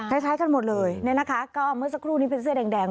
เนี่ยนะคะก็เมื่อสักครู่นี้เป็นเสื้อแดง